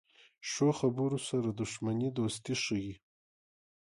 ښو خبرو سره دښمني دوستي شي.